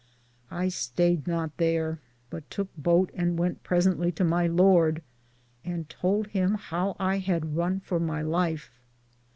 I stayed not thare, but touke boate and went presently to my Lord and tould him how I had run for my life.